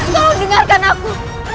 tolong dengarkan aku